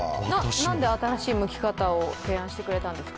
何で新しいむき方を提案してくれたんですか？